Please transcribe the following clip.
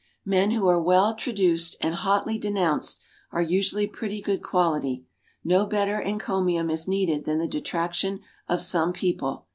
Men who are well traduced and hotly denounced are usually pretty good quality. No better encomium is needed than the detraction of some people.